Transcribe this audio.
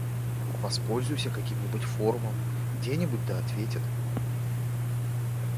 Воспользуйся каким-нибудь форумом. Где-нибудь, да ответят.